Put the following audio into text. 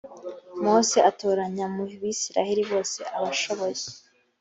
mose atoranya mu bisirayeli bose abashoboye